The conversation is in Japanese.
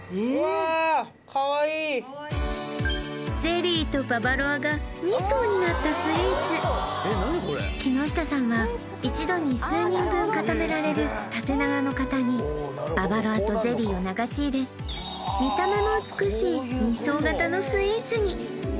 ゼリーとババロアが２層になったスイーツ木下さんは一度に数人分かためられる縦長の型にババロアとゼリーを流し入れのスイーツに！